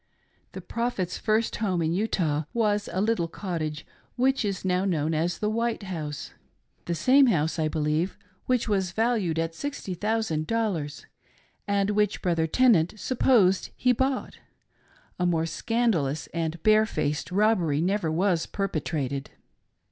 'The Prophet's first home in Utah was a little cottage which is now known as the White House. — The same house, I believe, which was valued at sixty thousand dollars, and which Brother Tenant supposed he bought: — a more scandalous and barefaced robbery never was perpetrated.